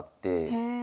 へえ。